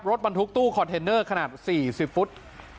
รถบรรทุกตู้คอนเทนเนอร์ขนาด๔๐ฟุต